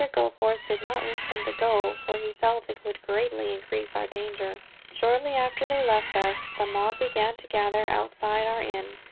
Goforth did not wish them to go, for he felt it would greatly increase our danger. Shortly after they left us the mob began to gather outside our inn.